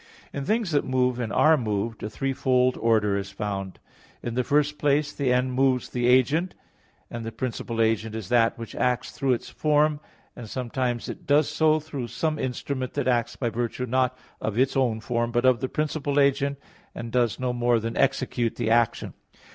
In things that move and are moved, a threefold order is found. In the first place, the end moves the agent: and the principal agent is that which acts through its form, and sometimes it does so through some instrument that acts by virtue not of its own form, but of the principal agent, and does no more than execute the action.